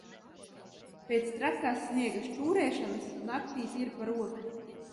Pēc trakās sniega šķūrēšanas naktī tirpa roka.